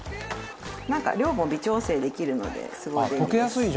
なんか、量も微調整できるのですごい便利です。